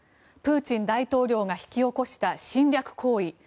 プーチン大統領が引き起こした侵略行為。